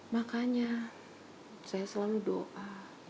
makanya saya selalu doa